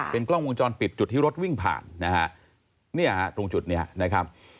เป็นกล้องวงจรปิดจุดที่รถวิ่งผ่านตรงจุดนี้นะครับ